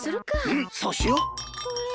うんそうしよう！